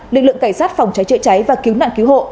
lực lượng cảnh sát phòng trái trợ trái và cứu nạn cứu hộ